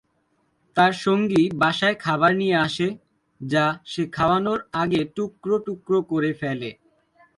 তার সঙ্গী বাসায় খাবার নিয়ে আসে, যা সে খাওয়ানোর আগে টুকরো টুকরো করে ফেলে।